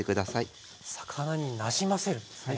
魚になじませるんですね。